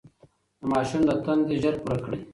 د ماشوم د تنده ژر پوره کړئ.